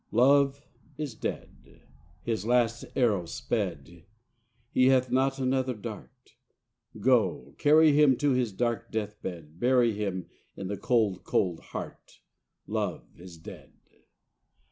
Love is dead; His last arrow sped; He hath not another dart; Go carry him to his dark deathbed; Bury him in the cold, cold heart Love is dead.